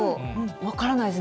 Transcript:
分からないですね。